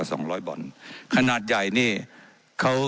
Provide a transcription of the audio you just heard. ว่าการกระทรวงบาทไทยนะครับ